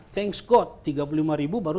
thanks code tiga puluh lima ribu baru